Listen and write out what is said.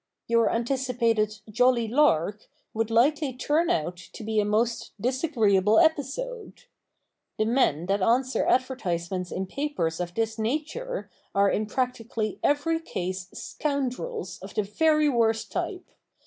Your anticipated "jolly lark" would likely turn out to be a most disagreeable episode. The men that answer advertisements in papers of this nature are in practically every case scoundrels of the very worst type.